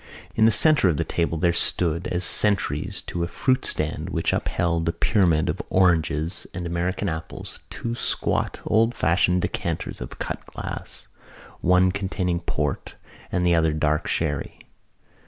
In the centre of the table there stood, as sentries to a fruit stand which upheld a pyramid of oranges and American apples, two squat old fashioned decanters of cut glass, one containing port and the other dark sherry.